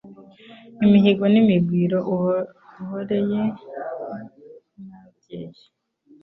Imihigo n'imigwiro Uhoreye n'Ababyeyi